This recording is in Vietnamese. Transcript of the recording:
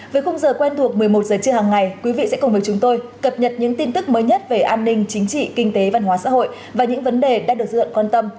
với khung giờ quen thuộc một mươi một h trưa hàng ngày quý vị sẽ cùng với chúng tôi cập nhật những tin tức mới nhất về an ninh chính trị kinh tế văn hóa xã hội và những vấn đề đang được dư luận quan tâm